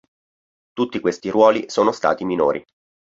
Tutti questi ruoli sono stati minori.